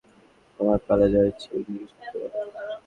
আমার দেড় মিনিট শেষ, এখন তোমার পালা, যা ইচ্ছে জিজ্ঞেস করতে পারো।